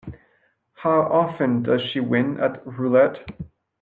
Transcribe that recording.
How often does she win at roulette?